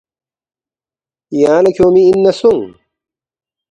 یانگ لہ کھیونگمی اِن نہ سونگ